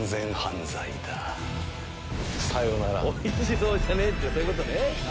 さよならおいしそうじゃね？ってそういうことね。